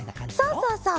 そうそうそう。